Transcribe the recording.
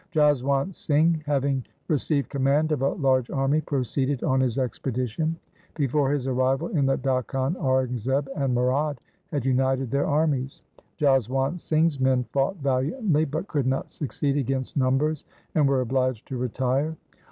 Jaswant Singh having received command of a large army, proceeded on his expedition. Before his arrival in the Dakhan Aurangzeb and Murad had united their armies. Jaswant Singh's men fought valiantly, but could not 300 THE SIKH RELIGION succeed against numbers and were obliged to retire.